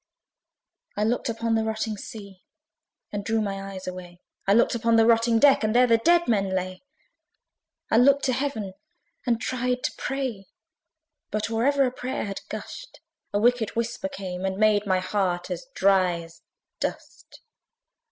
I looked upon the rotting sea, And drew my eyes away; I looked upon the rotting deck, And there the dead men lay. I looked to Heaven, and tried to pray: But or ever a prayer had gusht, A wicked whisper came, and made my heart as dry as dust.